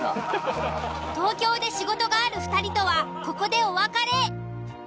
東京で仕事がある２人とはここでお別れ。